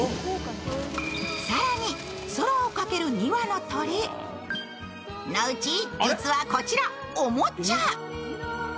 更に空を駆ける２羽のうち実はこちら、おもちゃ！